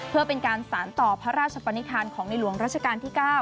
เพื่อเป็นการสารต่อพระราชปนิษฐานของในหลวงราชการที่๙